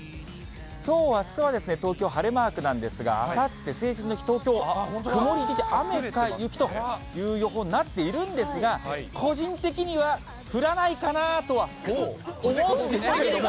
きょう、あすは東京、晴れマークなんですが、あさって成人の日、東京、曇り一時雨か雪という予報になっているんですが、個人的には降らないかなとは思っている。